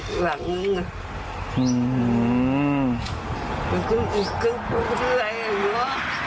ก็คืออะไรหรือว่า